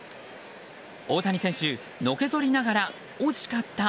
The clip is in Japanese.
大谷選手、のけぞりながら惜しかった！